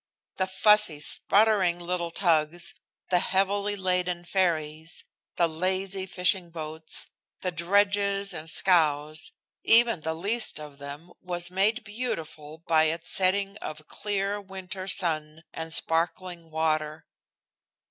The fussy, spluttering little tugs, the heavily laden ferries, the lazy fishing boats, the dredges and scows even the least of them was made beautiful by its setting of clear winter sun and sparkling water.